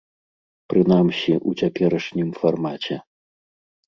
Прынамсі, у цяперашнім фармаце.